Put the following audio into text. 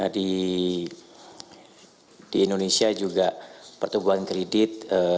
di indonesia juga pertumbuhan kredit